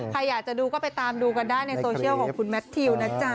ใครอยากจะดูก็ไปตามดูกันได้ในโซเชียลของคุณแมททิวนะจ๊ะ